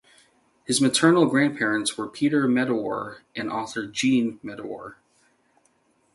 His maternal grandparents were Peter Medawar and author Jean Medawar.